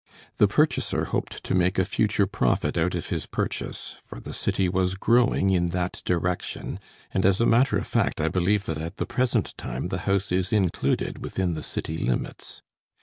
The purchaser hoped to make a future profit out of his purchase, for the city was growing in that direction; and, as a matter of fact, I believe that at the present time the house is included within the city limits.